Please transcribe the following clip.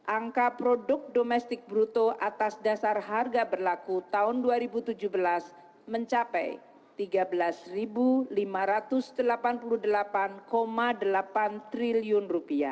angka produk domestik bruto atas dasar harga berlaku tahun dua ribu tujuh belas mencapai rp tiga belas lima ratus delapan puluh delapan delapan triliun